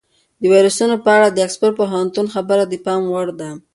د ویروسونو په اړه د اکسفورډ پوهنتون خبره د پام وړ ده.